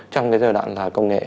trong cái giai đoạn là công nghệ